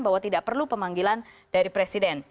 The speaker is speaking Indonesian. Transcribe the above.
bahwa tidak perlu pemanggilan dari presiden